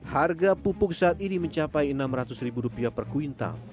harga pupuk saat ini mencapai rp enam ratus per kuintal